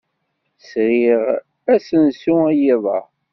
Sriɣ asensu i yiḍ-a.